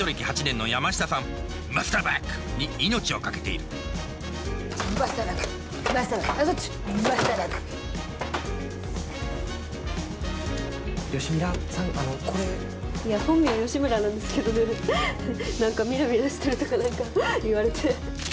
いや本名は吉村なんですけどね何かミラミラしてるとか何か言われて。